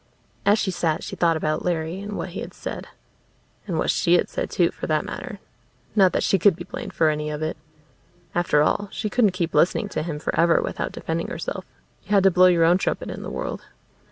As she sat she thought about Larry and what he had said. And what she had said, too, for that matter not that she could be blamed for any of it. After all, she couldn't keep listening to him forever without defending herself; you had to blow your own trumpet in the world.